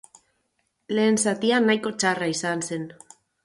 Lehen zatia nahiko txarra izan zen.